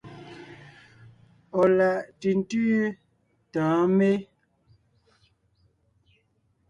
Ɔ̀ láʼ ntʉ̀ntʉ́ tɔ̌ɔn mé?